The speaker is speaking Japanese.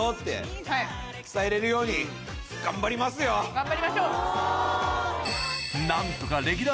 頑張りましょう。